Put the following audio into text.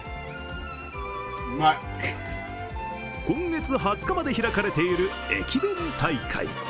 今月２０日まで開かれている駅弁大会。